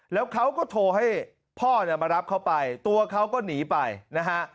แล้วเขาก็โทรให้พ่อเนี่ยมารับเขาไปตัวเขาก็หนีไปนะฮะ